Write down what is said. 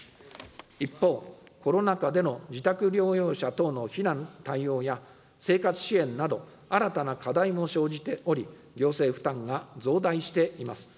一方、コロナ禍での自宅療養者等の避難対応や生活支援など新たな課題も生じており、行政負担が増大しています。